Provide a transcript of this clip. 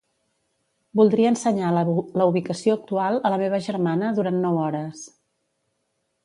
Voldria ensenyar la ubicació actual a la meva germana durant nou hores.